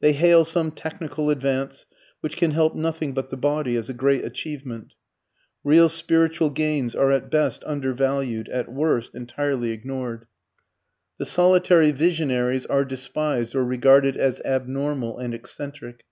They hail some technical advance, which can help nothing but the body, as a great achievement. Real spiritual gains are at best under valued, at worst entirely ignored. The solitary visionaries are despised or regarded as abnormal and eccentric.